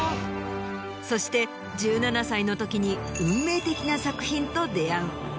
そして１７歳のときに運命的な作品と出合う。